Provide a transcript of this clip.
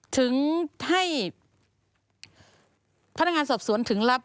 ถึงให้พนักงานสอบสวนถึงรับ